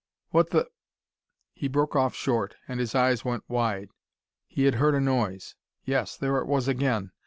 What the " He broke off short, and his eyes went wide. He had heard a noise! Yes there it was again!